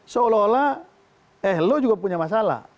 seolah olah eh lo juga punya masalah